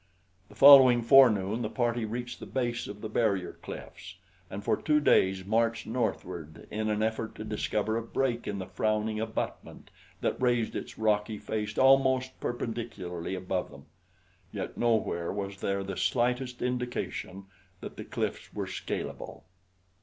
The following forenoon the party reached the base of the barrier cliffs and for two days marched northward in an effort to discover a break in the frowning abutment that raised its rocky face almost perpendicularly above them, yet nowhere was there the slightest indication that the cliffs were scalable.